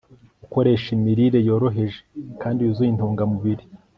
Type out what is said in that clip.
gukoresha imirire yoroheje kandi yuzuye intungamubiri